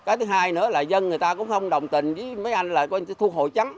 cái thứ hai nữa là dân người ta cũng không đồng tình với mấy anh là thuộc hội chấm